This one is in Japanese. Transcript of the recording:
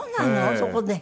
そこで？